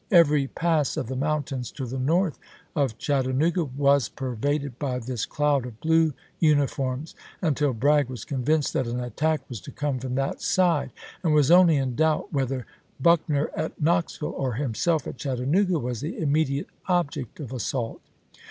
Every pass of the mountains to the north of Chattanooga was pervaded by this cloud of blue uniforms, until Bragg was convinced that an attack was to come from that side, and was only in doubt whether Buckner at Knoxville, or himself at Chattanooga, was the immediate object of assault.